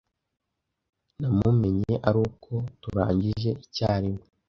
namumenye aruko turangirije icyarimwe.